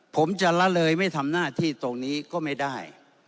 ผมจะละเลยไม่ทำหน้าที่ตรงนี้ก็ไม่ได้